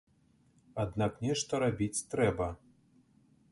Аднак нешта рабіць трэба.